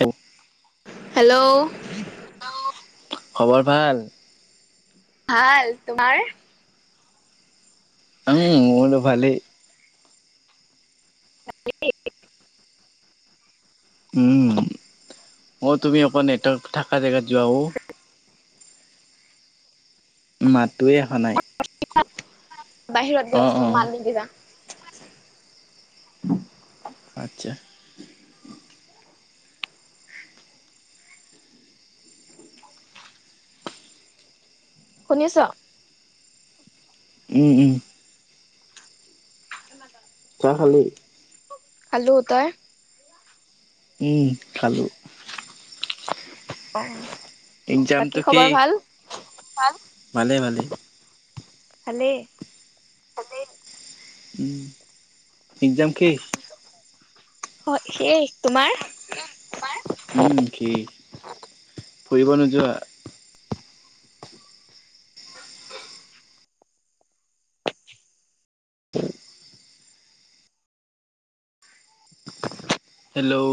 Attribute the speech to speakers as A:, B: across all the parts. A: এ
B: hello,
A: খবৰ ভাল।
B: ভাল তোমাৰ?
A: উম, মোৰো ভালেই।
B: [inaudible]
A: উম, অ' তুমি অকৌ নেট থকা জেগাত যোৱা ঔ। মাতোৱে আহা নাই।
B: বাহিৰত যায়
A: অ',
B: আছোঁ
A: অ',
B: মাত নিদিবা।
A: আচ্ছা,
B: শুনিছ।
A: উম-উম,
B: সমানত [unintelligible]
A: ত খালি।
B: খালোঁ তই?
A: উম, খালোঁ।
B: অ',
A: এক্সাম
B: বাকী
A: তো কি
B: খবৰ ভাল
A: ভালে-ভালে।
B: ভালে।
A: উম' এক্সাম শেষ।
B: হয় সেই। তোমাৰ
A: উম, কি? ফুৰিব নুযোৱা? হেল্ল',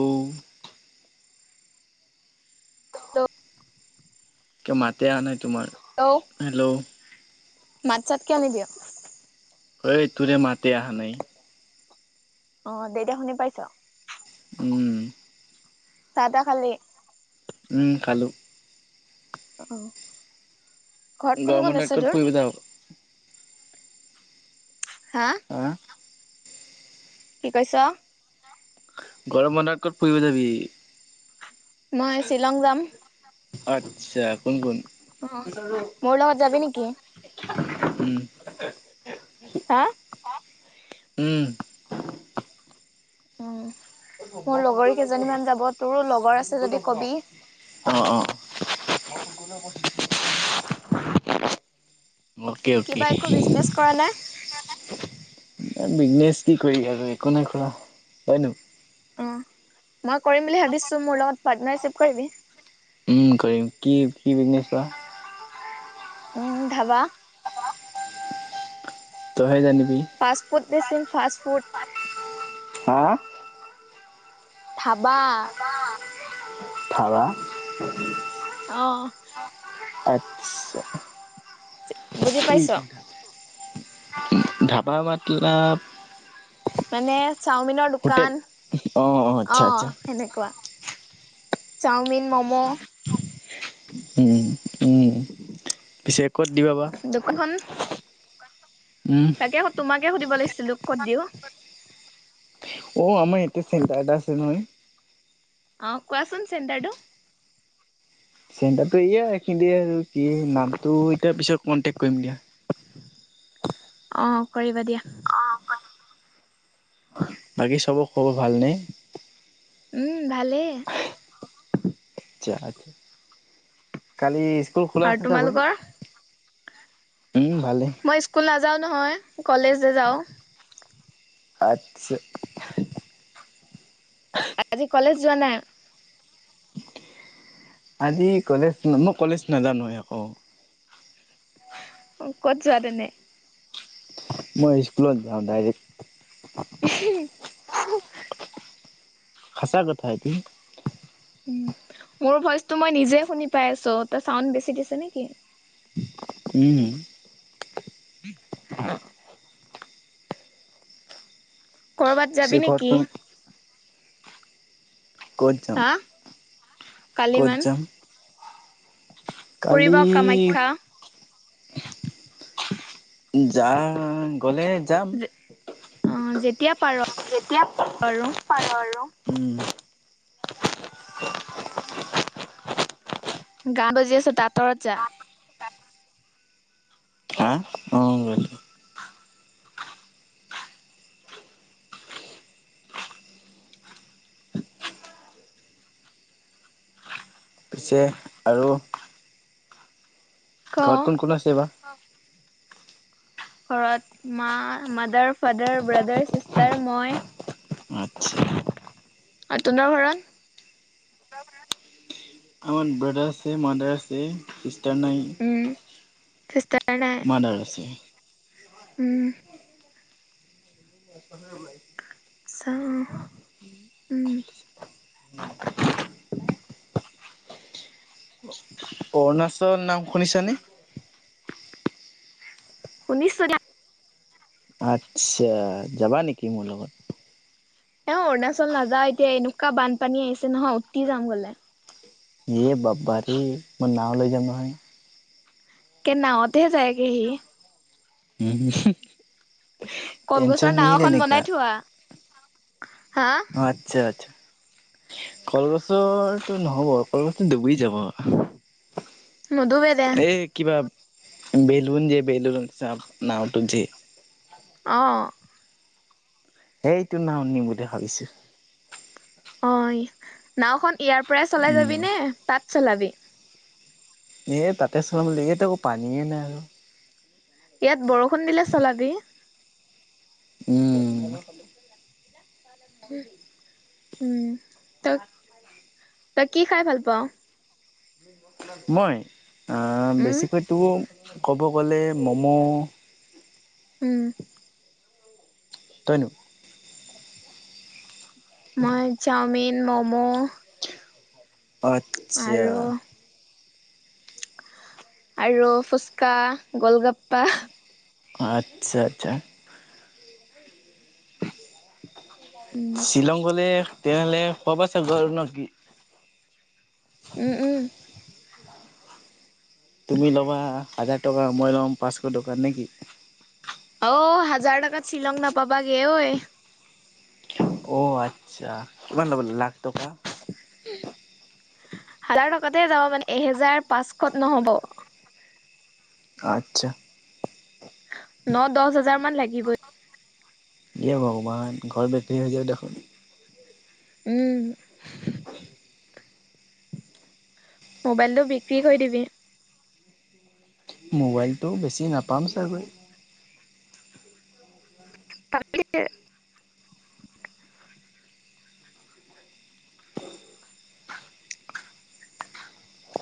B: দ [unintelligible]
A: কে মাতে অ' নাই তোমাৰ হেল্ল',
B: মাত চাত কিয় নিদিয়?
A: ঐ তুৰে মাতে আহানাই।
B: অ' দে দেয়া শুনি পাইছ?
A: উম,
B: চাহ-তাহ খালি?
A: উম, খালোঁ।
B: অ' ঘৰত
A: গৰম
B: কোন-কোন
A: বন্ধত
B: আছে
A: ক'ত
B: তোৰ?
A: ফুৰিব যাওঁ? হা,
B: কি কৈছ?
A: গৰম বন্ধত ক'ত ফুৰিব যাবি?
B: মই শ্বিলং যাম।
A: আচ্ছা, কোন-কোন?
B: অ' মোৰ লগ লগত যাবি নেকি?
A: উম,
B: হা
A: উম,
B: উম, মোৰ লগৰী কেইজনীমান যাব তোৰো লগৰ আছে যদি কবি
A: অ-অ, [unintelligible] অ'কে-অ'কে,
B: কিবা একো বিজনেচ কৰা নাই
A: বিজনেচ কি কৰি আৰু একো নাই খোৱা তই নো?
B: অ, মই কৰিম বুলি ভাবিছো মোৰ লগত পাৰ্টনাৰচপ কৰিবি।
A: ফোন কৰিম কি কি বিকনেছ বা
B: উম ধাবা।
A: তইহে জানিবি।
B: পাষ্টফুড বেচিম পাষ্টফুড
A: অ, '
B: থাবা।
A: নাইবা। [unintelligible]
B: অ
A: আত্ছা।
B: বুজি পাইছ।
A: ধাবা মাতলব
B: মানে চাওমিনৰ দোকান
A: অ
B: অ
A: আচ্ছা আচ্ছা
B: সেনেকুৱা চাওমিন মম'।
A: উম, উম পিছে ক'ত দিবা বা।
B: দোকানখন
A: [inaudible]
B: তাকে তোমাকে সুধিব লাগিছিলো কত দিওঁ।
A: অ আমাৰ ইয়াতি চেণ্টাৰটা আছে নহয়।
B: অ কোৱাচোন চেণ্টাৰটো।
A: চেণ্টাৰটো এয়া এইখিনি দিয়ে আৰু কি নামটো এতিয়া পিছত কনটেক্ কৰিম দিয়া।
B: অ, কৰিবা দিয়া।
A: বাকী চবক খব ভালনে?
B: উম ভালে।
A: আচ্ছা আচ্ছা কালি স্কুল খোলা
B: আৰু
A: আছে চাগৈ।
B: তোমালোকৰ
A: উম ভালেই
B: মই স্কুল নাযাওঁ নহয় কলেজ যে যাওঁ।
A: আচ্ছা
B: আজি কলেজ যোৱা নাই।
A: আজি কলেজ মই কলেজ নাজানো আকৌ।
B: কত যোৱা তেনে
A: মই স্কুলত যাওঁ ডাইৰেক্ট।
B: [unintelligible]
A: সচা কথা এতি
B: মোৰ ভইচটো মই নিজে শুনি পাই আছো ত চাউড বেছি দিছে নেকি।
A: উম।
B: [unintelligible] কৰবাত
A: পিছে
B: যাবি
A: ঘৰত ক
B: নেকি।
A: কত যাম
B: হা কালি
A: কত
B: মান
A: যাম।
B: ফুৰিব
A: কালি
B: কামাখ্যা
A: যা গলে যাম।
B: অ' যেতিয়া পাৰ
A: যেতিয়া
B: আৰু
A: পাৰো আৰু
B: গান বাজি আছে আতৰত যা।
A: হা অ [unintelligible] পিছে আৰু
B: ক
A: ঘৰত কোন কোন আছে বা।
B: ঘৰত মা মাডাৰ ফাডাৰ ব্ৰাডাৰ চিষ্টাৰ মই
A: আচ্ছা
B: আৰু তোমাৰ ঘৰত?
A: মোৰ ব্ৰাদাৰ আছে মাদাৰ আছে চিষ্টাৰ নাই।
B: উম চিষ্টাৰ নাই
A: মাডাৰ আছে।
B: উম। চা উম। [unintelligible]
A: অৰুণাচল নাম শুনিছা নে,
B: শুনিছো দিয়া।
A: আচ্ছা যাবা নেকি মোৰ লগত?
B: অ অৰুণাচল নাযাও এতিয়া এনেকুৱা বানপানী আহিছে নহয় উটি যাম গলে
A: এ বাবা ৰে মই নাও লৈ যাম নহয়।
B: একে নাওতেই যাইগে সি
A: উ টেনচন
B: কলগছৰ নাও
A: নেহি
B: এখন
A: লেনেকা,
B: বনাই থোৱা হা
A: আত্ছা আচ্ছা কলগছৰটো নহব কলগছটো ডুবি যাব,
B: নুডুবে দে
A: এই কিবা বেলুন যে বেলুন চ নাওটোত যে,
B: অ'
A: ইেইটো নাও নিম বুলি ভাবিছো,
B: অ নাওখন ইয়াৰ পৰাই চলাই
A: উম।
B: যাবি নে তাত চলাবি
A: এই তাতে চলাম বুলি ইয়াত আকৌ পানীয়েই নাই,
B: ইয়াত বৰষুণ দিলে চলাবি।
A: উম!
B: উম ত' তই কি খাই ভাল পাও।
A: মই
B: উম
A: বেছিকৈতো ক'ব গ'লে ম'ম'
B: উম
A: তই ন
B: মই চাওমিন মমো
A: আচ্ছা,
B: আৰু ফুচকা গোলগাপ্পা হা,
A: আচ্ছা আচ্ছা,
B: উম
A: শ্বিলং গলে তেনেহলে খোৱা বোৱা চব হব ন কি?
B: উম উম
A: তুমি ল'বা হাজাৰ টকা মই লম পাঁচশ টকা নেকি?
B: অ হাজাৰ টকাত শ্বিলং নাপাবাগে ঐ,
A: অ আচ্ছা কিমান লব লাগিব লাখ টকা,
B: হাজাৰ টকাতে যাব মানে এহেজাৰ পাঁচশত নহব।
A: আচ্ছা,
B: ন দহ হাজাৰ মান লাগিবই,
A: ইয়ে ভগৱান ঘৰ বিক্ৰী হৈ যাব দেখোন,
B: উম! মোবাইলটো বিক্ৰী কৰি দিবি।
A: মোবাইলটো বেছি নাপাম চাগৈ,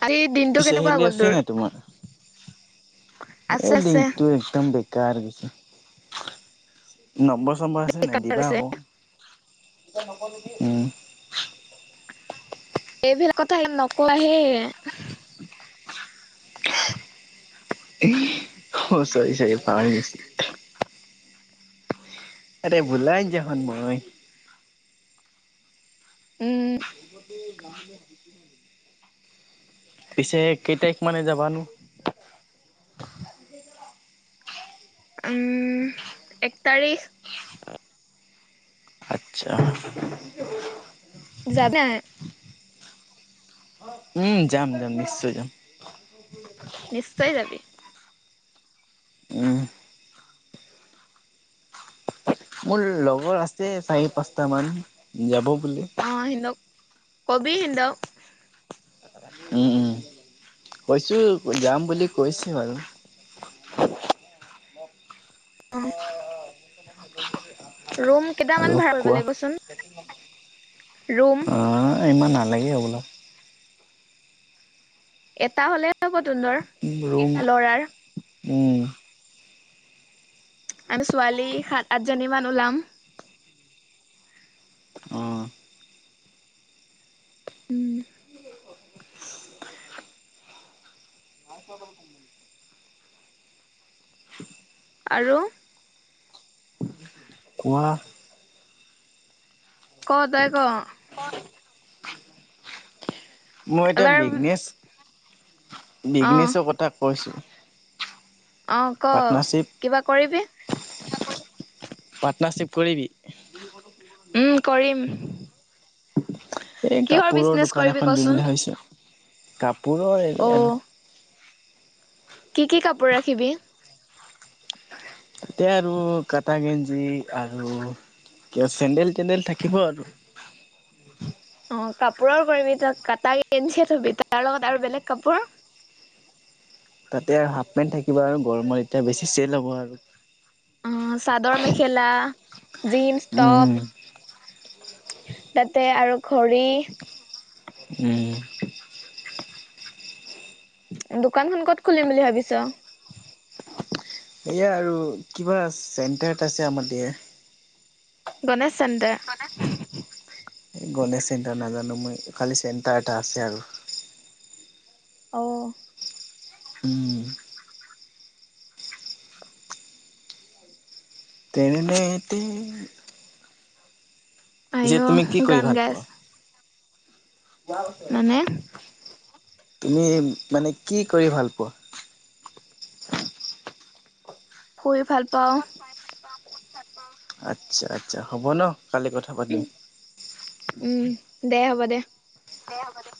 B: আৰু এই দিনটো কেনেকুৱা
A: চেহেলী
B: গ'ল
A: আছে
B: তোৰ,
A: নাই তোমাৰ?
B: আছে
A: এই ডিংকটো একদম বেকাৰ কিছো। নম্বৰ চম্বৰ আছে নাই দিবা আকৌ উম,
B: এইবিলাক কথা নকোৱাাহে,
A: অ চাৰ চাৰি পওঁ বেছি। আৰে বোলাই যন মই,
B: উম!
A: পিছে কেই তাৰিখ মানে যাবানো,
B: উম এক তাৰিখ,
A: আচ্ছা
B: যাবা,
A: উম যাম যাম নিশ্চয় যাম।
B: নিশ্চয় যাবি,
A: আহ! মোৰ লগৰ আছে চাৰি পাঁচটা মান যাব বোলে।
B: অ সিন্তওক কবি সিতক
A: উম উম কৈছো যাম বুলি কৈছো আৰু
B: অঁ ৰুম
A: আৰু
B: কেইটামান ভাড়া কৰিব
A: কোৱা
B: লাগিবচোন ৰুম
A: ন ইমান নালাগেই হবলা
B: এটা হলে তোহোতৰ
A: ৰুম উম
B: আৰু ছোৱালী সাত আঠজনীমান ওলাম
A: অ
B: উম আৰু
A: কোৱা
B: ক তাই ক
A: মোৰ এটা
B: এবাৰ
A: বিজনেছ
B: অ
A: বিজনেছৰ কথা কৈছো
B: অঁ ক কিবা কৰিবি
A: পাৰ্টনাৰশ্বিপ কৰিবি
B: উম কৰিম
A: এই
B: কিহৰ
A: কাপোৰৰ
B: বিজনেচ
A: দোকান
B: কৰিবি
A: এখন দিম
B: কচোন?
A: বুলি ভাবিছো
B: অ
A: কাপোৰৰ
B: কি কি কাপোৰ ৰাখিবি
A: এয়া আৰু কাটা গেঞ্জি আৰু কিয় চেণ্ডেল তেেণ্ডেল থাকিব আৰু
B: অঁ কাপোৰৰ কৰিবি তই কটা গেঞ্জী থবি তাৰ লগত আৰু বেলেগ কাপোৰ
A: তাতে আৰু হাফ পেণ্ট থাকিব আৰু গৰমৰ এতিয়া বেছি চেল হব আৰু
B: অঁ চাদৰ মেখেলা জিনচ
A: উম
B: টপ তাতে আৰু ঘৰি
A: উম
B: দোকানখন ক'ত খুলিম বুলি ভাবিছ
A: এয়া আৰু কিবা চেণ্টাৰত আছে আমাৰ দিয়াৰ
B: গণেশ চেণ্টাৰ
A: এই গণেশ চেণ্টাৰ নাজানো মই খালী চেণ্টাৰ এটা আছে আৰু
B: অঁ
A: উম [unintelligible] পিছে তুমি কি
B: আইঅ
A: কৰি
B: গান
A: ভাল
B: গাই আছ
A: পোৱা
B: মানে
A: [unintelligible] তুমি মানে কি কৰি ভাল পোৱা
B: শুই ভাল পাওঁ
A: আচ্ছা আচ্ছা হ'ব ন কালি কথা পাতিম
B: উম দে হ'ব দে
A: দে হ'ব দে